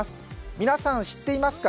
皆さん知っていますか？